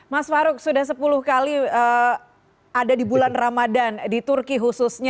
mas farouk sudah sepuluh kali ada di bulan ramadhan di turki khususnya